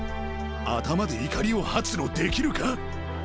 頭で怒りを発露できるか？